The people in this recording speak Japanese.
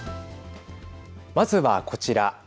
まずは、こちら。